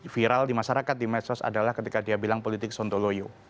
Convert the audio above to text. viral di masyarakat di medsos adalah ketika dia bilang politik sontoloyo